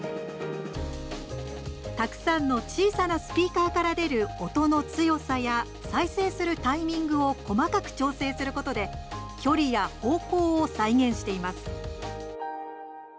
たくさんの小さなスピーカーから出る音の強さや再生するタイミングを細かく調整することで距離や方向を再現しています。